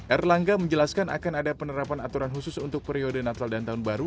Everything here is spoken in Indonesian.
erlangga menjelaskan akan ada penerapan aturan khusus untuk periode natal dan tahun baru